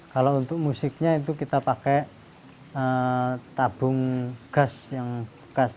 kalau untuk musiknya itu kita pake tabung gas